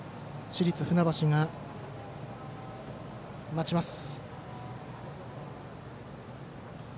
市立船橋が待ちます。